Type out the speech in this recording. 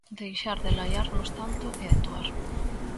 Deixar de laiarnos tanto e actuar.